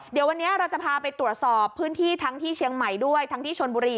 เดี๋ยววันนี้เราจะพาไปตรวจสอบพื้นที่ทั้งที่เชียงใหม่ด้วยทั้งที่ชนบุรี